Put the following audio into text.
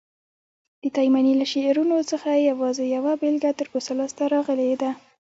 د تایمني له شعرونو څخه یوازي یوه بیلګه تر اوسه لاسته راغلې ده.